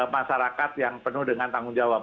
masyarakat yang penuh dengan tanggung jawab